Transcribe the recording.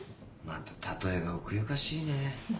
また例えが奥ゆかしいね。